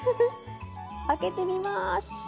開けてみまーす。